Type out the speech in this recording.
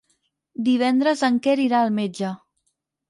Divendres en Quer irà al metge.